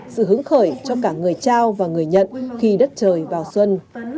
sự hứng khởi cho cả người trao và người nhận khi đất trời vào xuân